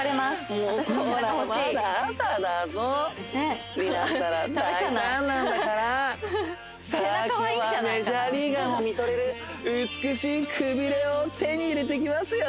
今日はメジャーリーガーも見とれる美しいくびれを手に入れていきますよ